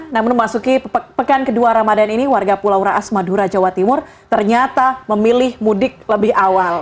namun memasuki pekan kedua ramadan ini warga pulau raas madura jawa timur ternyata memilih mudik lebih awal